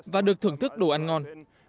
và được thưởng thức đồ ăn ngon